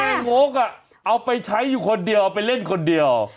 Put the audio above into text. โงกเอาไปใช้อยู่คนเดียวเอาไปเล่นคนเดียว